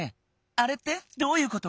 あれってどういうこと？